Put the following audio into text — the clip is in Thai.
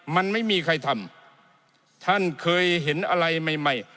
มันไม่มีใครทำท่านเคยเห็นอะไรใหม่ใหม่